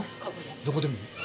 どこでも。